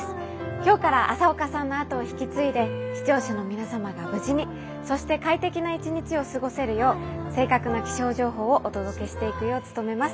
今日から朝岡さんの後を引き継いで視聴者の皆様が無事にそして快適な一日を過ごせるよう正確な気象情報をお届けしていくよう努めます。